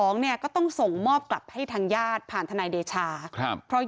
เนี่ยก็ต้องส่งมอบกลับให้ทางญาติผ่านทนายเดชาครับเพราะ